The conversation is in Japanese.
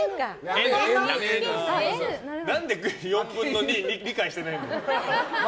何で４分の２理解してないんだよ。